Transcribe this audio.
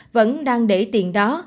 vẫn đang để tiền đó